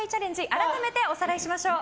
改めておさらいしましょう。